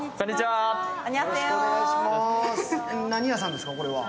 何屋さんですか、これは。